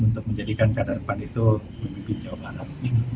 untuk menjadikan kader pan itu pemimpin jawa barat